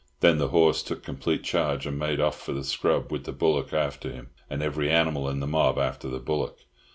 Then the horse took complete charge, and made off for the scrub with the bullock after him, and every animal in the mob after the bullock.